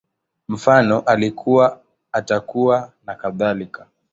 Mfano, Alikuwa, Atakuwa, nakadhalika